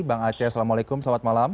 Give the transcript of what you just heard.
bang aceh assalamualaikum selamat malam